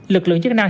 lực lượng chức năng